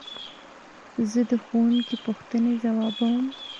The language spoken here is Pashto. زه د ښوونکي پوښتنې ځوابوم.